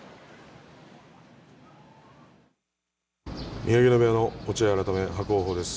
宮城野部屋の落合改め伯桜鵬です。